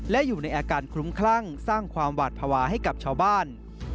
และอยู่ในอาการคลุ้มคลั่งสร้างความหวาดภาวะให้กับชาวบ้าน